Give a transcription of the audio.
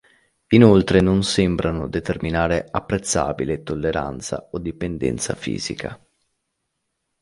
Inoltre non sembrano determinare apprezzabile tolleranza o dipendenza fisica.